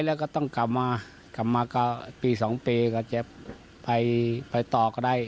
แล้วก็ต้องกำมาปี๒ปีจะไปต่อก็ได้